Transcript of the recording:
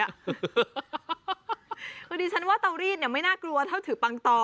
อ่ะคือดิฉันว่าเตารีดเนี่ยไม่น่ากลัวถ้าถือปังต่อ